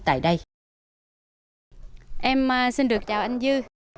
em xin được chào anh dư